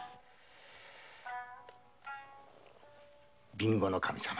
備後守様